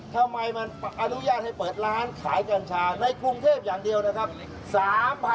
ทำไมมันอนุญาตให้เปิดร้านขายกัญชาในกรุงเทพอย่างเดียวนะครับ